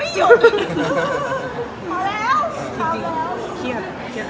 อเรนนี่ว่าที่เต็มประกาศเหมือนกันนะครับ